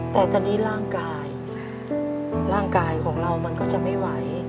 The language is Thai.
แต่ตอนนี้ร่างกายร่างกายของเรามันก็จะไม่ไหว